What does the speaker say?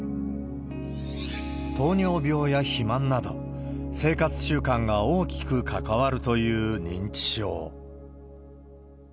糖尿病や肥満など、生活習慣が大きく関わるという認知症。